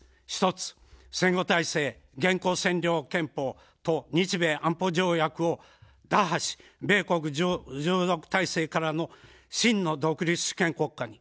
１つ、戦後体制、現行占領憲法と日米安保条約を打破し、米国従属体制から真の独立主権国家に。